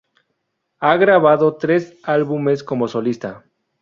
Ha grabado tres álbumes como solista.